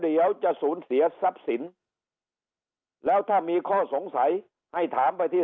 เดี๋ยวจะสูญเสียทรัพย์สินแล้วถ้ามีข้อสงสัยให้ถามไปที่